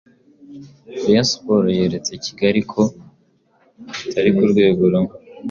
Rayon Sports yeretse Kigali ko bitari ku rwego rumwe